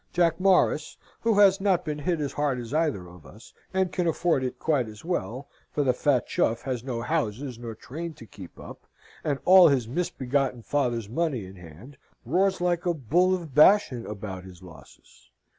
Jack Morris, who has not been hit as hard as either of us, and can afford it quite as well, for the fat chuff has no houses nor train to keep up, and all his misbegotten father's money in hand, roars like a bull of Bashan about his losses.